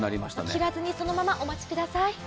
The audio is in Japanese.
切らずにそのままお待ちください。